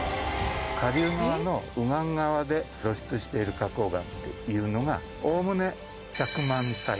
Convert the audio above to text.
下流側の右岸側で露出してる花こう岩というのがおおむね１００万歳。